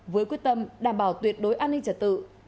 với quyết tâm đảm bảo tuyệt đối an ninh trật tự